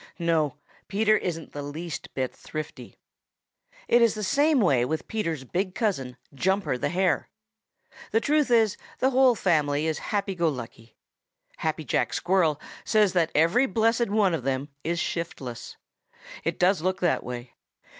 No, Peter isn't the least bit thrifty. It is the same way with Peter's big cousin, Jumper the Hare. The truth is the whole family is happy go lucky. Happy Jack Squirrel says that every blessed one of them is shiftless. It does look that way.